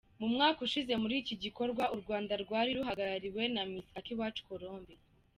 Mu mwaka ushize muri iki gikorwa u Rwanda rwari ruhagarariwe na Miss Akiwacu Colombe.